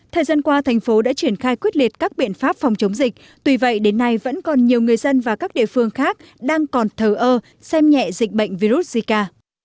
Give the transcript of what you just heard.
thời gian qua thành phố đã triển khai quyết liệt các biện pháp phòng chống dịch tuy vậy đến nay vẫn còn nhiều người dân và các địa phương khác đang còn thờ ơ xem nhẹ dịch bệnh virus zika